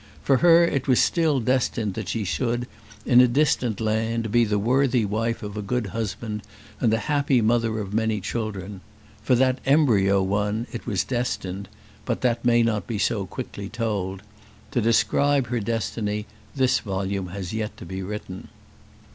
For her it was still destined that she should, in a distant land, be the worthy wife of a good husband, and the happy mother of many children. For that embryo one it was destined but that may not be so quickly told: to describe her destiny this volume has yet to be written.